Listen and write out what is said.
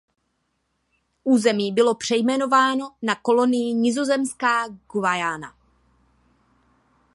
Území bylo přejmenováno na kolonii Nizozemská Guyana.